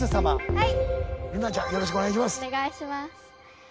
はい。